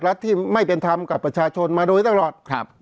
รัฐที่ไม่เป็นธรรมกับประชาชนมาโดยตลอด